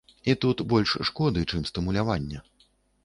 І тут больш шкоды, чым стымулявання.